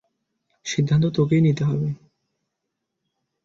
সিদ্ধান্ত তোকেই নিতে হবে।